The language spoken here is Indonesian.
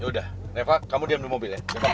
yaudah reva kamu diam di mobil ya